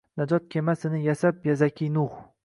Najot kemasini yasab zakiy Nuh.